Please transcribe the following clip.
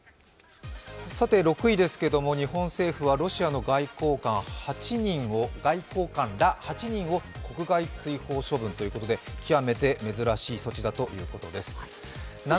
６位ですけども、日本政府はロシアの外交官ら８人を国外追放処分ということで極めて珍しい措置だということです。